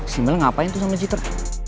si mel ngapain tuh sama citra